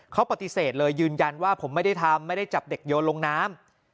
เขาปฏิเสธเลยยืนยันว่าผมไม่ได้ทำไม่ได้จับเด็กโยนลงน้ำ